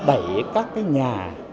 đẩy các cái nhà